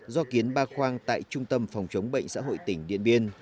do kiến ba khoang tại trung tâm phòng chống bệnh xã hội tỉnh điện biên